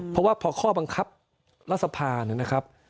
เพราะว่าพอข้อบังคับรัฐสภาเนี่ยนะครับ